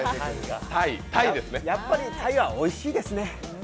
やっぱり、たいはおいしいですね。